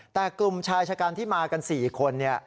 แต่กลุ่มชายชะกันที่มากัน๔คน